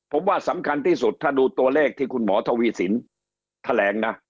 ผมว่าสำคัญที่สุดถ้าดูตัวเลขที่คุณหมอทวีสินแถลงนะ